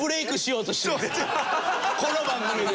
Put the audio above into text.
この番組で。